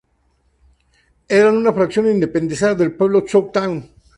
Eran una fracción independizada del pueblo choctaw.